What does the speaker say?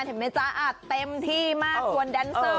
เราเต็มที่แล้วก็อยากจะขึ้นโชว์เลย